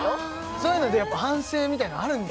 そういうのでやっぱ反省みたいなのあるんだ